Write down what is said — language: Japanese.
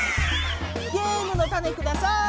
ゲームのタネください。